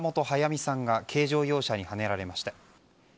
己さんが軽乗用車にはねられました。